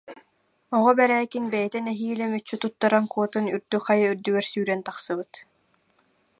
Оҕо Бэрээкин бэйэтэ нэһиилэ мүччү туттаран куотан үрдүк хайа үрдүгэр сүүрэн тахсыбыт